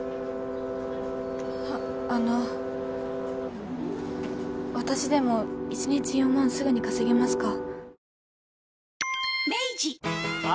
あの私でも一日４万すぐに稼げますか？